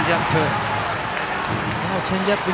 チェンジアップ。